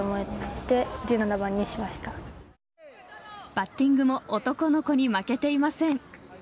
バッティングも男の子に負けていません。